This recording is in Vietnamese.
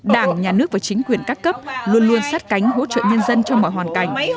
đảng nhà nước và chính quyền các cấp luôn luôn sát cánh hỗ trợ nhân dân trong mọi hoàn cảnh